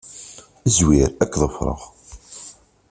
Zwir. Ad k-ḍefreɣ.